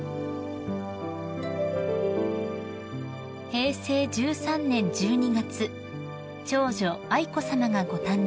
［平成１３年１２月長女愛子さまがご誕生］